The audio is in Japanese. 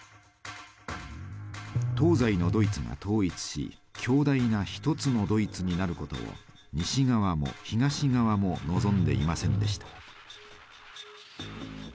東西のドイツが統一し強大な１つのドイツになることを西側も東側も望んでいませんでした。